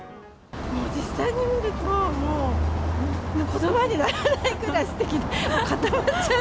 実際に見るともう、ことばにならないくらいすてきで、固まっちゃう。